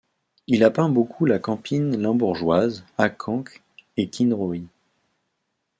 Il a peint beaucoup la Campine limbourgeoise, à Genk et Kinrooi.